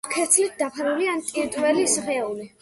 აქვთ ქერცლით დაფარული ან ტიტველი სხეული.